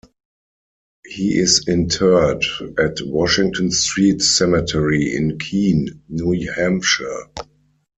He is interred at Washington Street Cemetery in Keene, New Hampshire.